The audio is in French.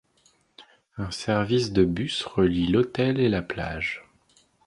Un service de bus relie l'hôtel et la plage.